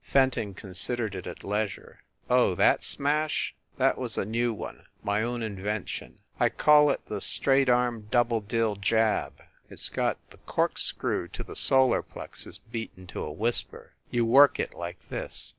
Fenton considered it at leisure. "Oh, that smash ? That was a new one my own invention. I call 1 68 FIND THE WOMAN it the straight arm double dill jab. It s got the corkscrew to the solar plexus beaten to a whisper. You work it like this."